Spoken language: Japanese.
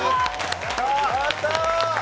やったー！